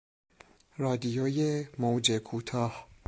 رادیوی موج کوتاه